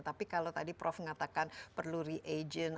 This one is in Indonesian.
tapi kalau tadi prof mengatakan perlu re agent